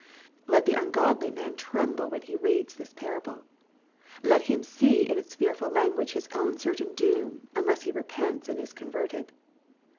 Let the ungodly man tremble when he reads this parable. Let him see in its fearful language his own certain doom, unless he repents and is converted.